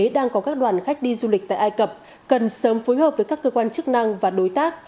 đang có các đoàn khách đi du lịch tại ai cập cần sớm phối hợp với các cơ quan chức năng và đối tác